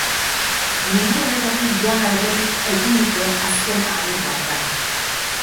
Mundu honetatik joan aurretik eginiko azken agur bat da.